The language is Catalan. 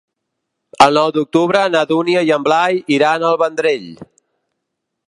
El nou d'octubre na Dúnia i en Blai iran al Vendrell.